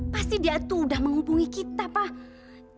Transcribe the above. pasti dia tuh udah menghubungi kita pak